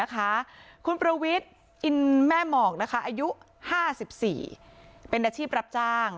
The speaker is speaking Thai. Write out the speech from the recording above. คุณประวิทย์อินแม่หมอกอายุ๕๔เป็นอาชีพรับจ้าง